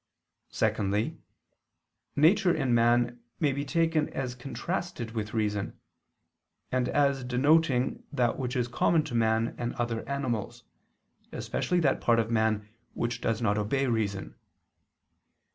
Secondly, nature in man may be taken as contrasted with reason, and as denoting that which is common to man and other animals, especially that part of man which does not obey reason.